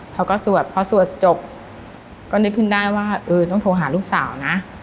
สวดพอสวดจบก็นึกขึ้นได้ว่าเออต้องโทรหาลูกสาวนะ